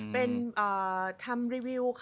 เป็นทำรีวิว